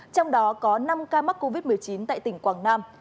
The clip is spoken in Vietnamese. trong đó có năm ca mắc covid một mươi chín tại tp hcm